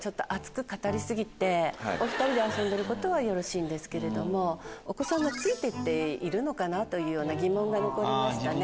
お２人で遊んでることはよろしいんですけれどもお子さんがついてっているのかなという疑問が残りましたね。